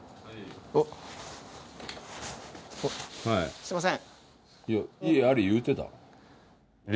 すいません。